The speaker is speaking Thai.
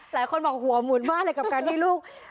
หลายคนบอกหัวหมุนมากเลยกับการที่ลูก